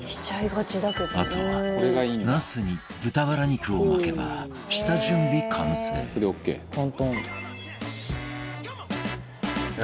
あとは、ナスに豚バラ肉を巻けば、下準備完成大西：簡単やん。